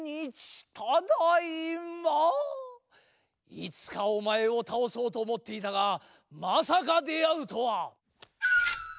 いつかおまえをたおそうとおもっていたがまさか出会うとは！